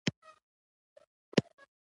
میهندراپراتاپ د هیات مشر وټاکل شو.